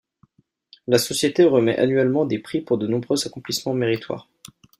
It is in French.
La société remet annuellement des prix pour de nombreux accomplissements méritoires.